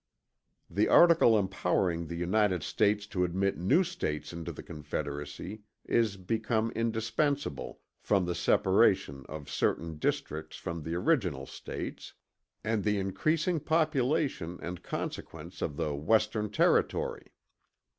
"The article empowering the United States to admit new States into the confederacy is become indispensable, from the separation of certain districts from the original States and the increasing population and consequence of the western territory.